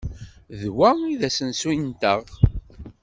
D wa ay d asensu-nteɣ?